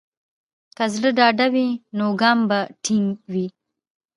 که زړه ډاډه وي، نو ګام به ټینګ وي.